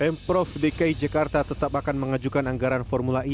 m prof dki jakarta tetap akan mengajukan anggaran formula i